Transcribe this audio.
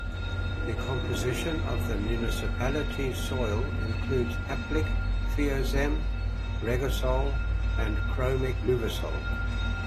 The composition of the municipality's soil includes Haplic Feozem, Regosol and Chromic Luvisol.